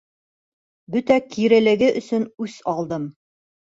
Бөтә кирелеге өсөн үс алдым.